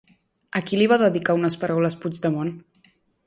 A qui li va dedicar unes paraules Puigdemont?